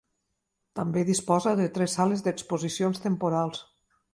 També disposa de tres sales d'exposicions temporals.